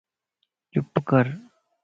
چپ ڪَر